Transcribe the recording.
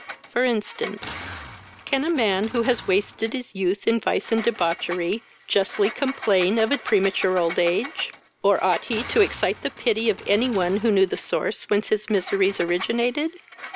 For instance, can a man, who has wasted his youth in vice and debauchery, justly complain of a premature old age? or ought he to excite the pity of any one who knew the source whence his miseries originated?